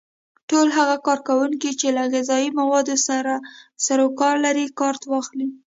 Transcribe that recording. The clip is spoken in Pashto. ټول هغه کارکوونکي چې له غذایي موادو سره سرو کار لري کارت واخلي.